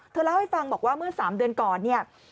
เล่าให้ฟังบอกว่าเมื่อ๓เดือนก่อนเนี่ย